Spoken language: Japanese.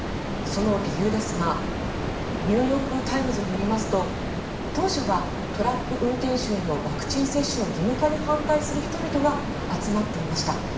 その理由ですがニューヨーク・タイムズによりますと当初はトラック運転手へのワクチン接種義務化に反対する人々が集まっていました。